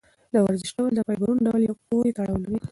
د ورزش ډول د فایبرونو ډول پورې تړاو لري.